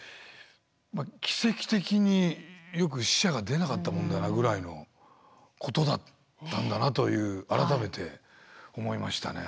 まあ奇跡的によく死者が出なかったものだなぐらいのことだったんだなという改めて思いましたね。